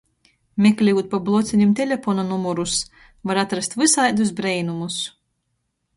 Meklejūt pa blocenim telepona numerus, var atrast vysaidus breinumus.